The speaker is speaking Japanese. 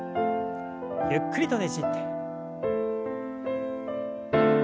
ゆっくりとねじって。